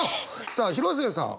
さあ広末さん